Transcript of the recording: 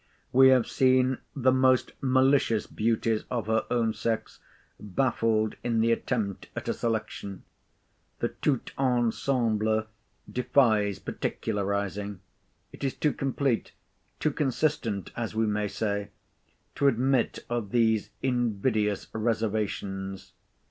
We have seen the most malicious beauties of her own sex baffled in the attempt at a selection. The tout ensemble defies particularising. It is too complete—too consistent, as we may say—to admit of these invidious reservations.